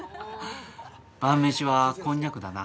晩飯はこんにゃくだな。